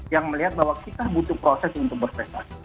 yang melihat bahwa kita butuh proses untuk berprestasi